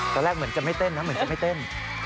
ตอนแรกเหมือนจะไม่เต้นนะเหมือนจะไม่เต้น